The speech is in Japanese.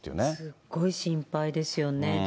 すごい心配ですよね。